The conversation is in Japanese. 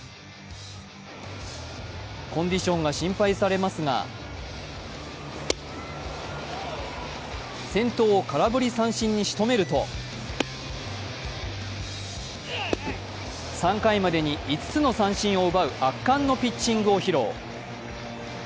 コンディションが心配されますが先頭を空振り三振にしとめると３回までに５つの三振を奪う圧巻のピッチングを披露。